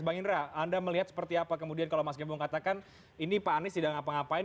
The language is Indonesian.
bang indra anda melihat seperti apa kemudian kalau mas gembong katakan ini pak anies tidak ngapa ngapain